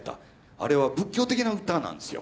あれは仏教的な歌なんですよ。